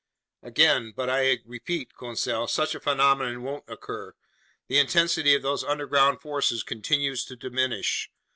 "Agreed, but I repeat, Conseil: such a phenomenon won't occur. The intensity of these underground forces continues to diminish.